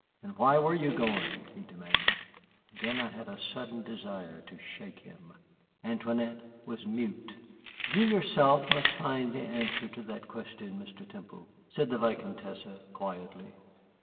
"And why were you going?" he demanded. Then I had a sudden desire to shake him. Antoinette was mute. "You yourself must find the answer to that question, Mr. Temple," said the Vicomtesse, quietly.